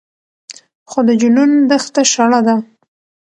خو د جنون دښته شړه ده